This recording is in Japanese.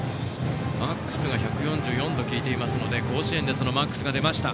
マックスが１４４と聞いていますので甲子園でマックスが出ました。